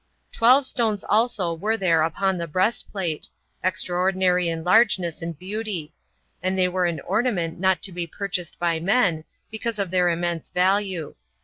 Twelve stones also there were upon the breast plate, extraordinary in largeness and beauty; and they were an ornament not to be purchased by men, because of their immense value.